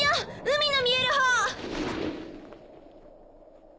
海の見えるほう！